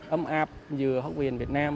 ấm áp giữa học viên việt nam